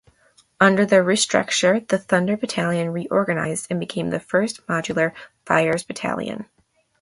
Under the restructure the Thunder Battalion reorganized and became the first modular "fires battalion".